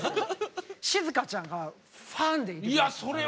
しずかちゃんがファンでいてくれて。